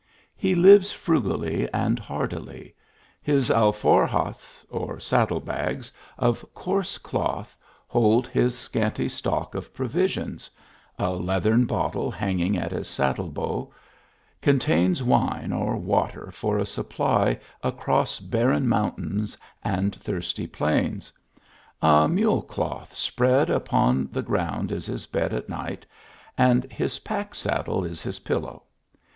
He lives frugally and hardily ; his alforjas (or saddle bags,) of coarse cloth, hold his scanty stock of provisions ; a leathern bottle hanging at his saddle bow, contains wine or water for a supply across barren mountains and thirsty plains ; a mule cloth spread upon the ground is his bed at night, and his pack saddle is his pillow.